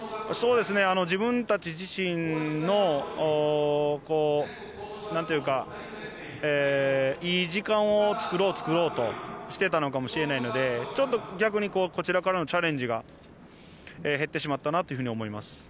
◆自分たち自身のいい時間をつくろう、つくろうとしてたのかもしれないのでちょっと逆にこちらからのチャレンジが減ってしまったなと思います。